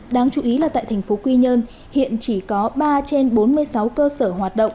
đáng chú ý là tại thành phố quy nhơn hiện chỉ có ba trên bốn mươi sáu cơ sở